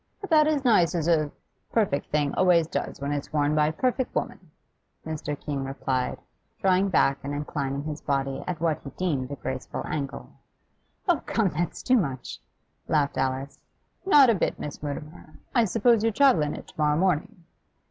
'About as nice as a perfect thing always does when it's worn by a perfect woman,' Mr. Keene replied, drawing back and inclining his body at what he deemed a graceful angle. 'Oh, come, that's too much!' laughed Alice. 'Not a bit, Miss Mutimer. I suppose you travel in it tomorrow morning?